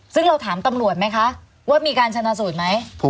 ซึ่งเราถามตำรวจไหมคะว่ามีการชนะสูตรไหม